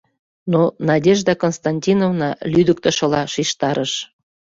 но Надежда Константиновна лӱдыктышыла шижтарыш.